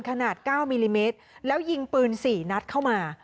ขนาด๙มิลลิเมตรแล้วยิงปืน๔นัดเข้ามา